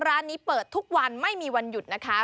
ร้านนี้เปิดทุกวันไม่มีวันหยุดนะคะ